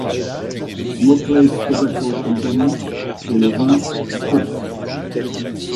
Smokeless Tobacco Company et le vin Ste.